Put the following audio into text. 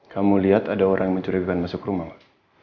kamu lihat ada orang mencurigakan masuk ke rumah pak